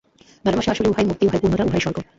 ভালবাসা আসিলে উহাই মুক্তি, উহাই পূর্ণতা, উহাই স্বর্গ।